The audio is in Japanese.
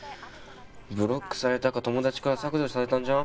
ブロックされたか友達から削除されたんじゃん？